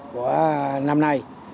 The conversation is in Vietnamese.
của năm nay